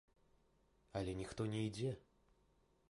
Але ніхто не ідзе.